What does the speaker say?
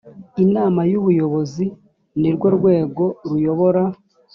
inama y’ ubuyobozi ni rwo rwego ruyobora.